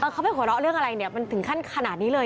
เขาไปหัวเราะเรื่องอะไรเนี่ยมันถึงขั้นขนาดนี้เลย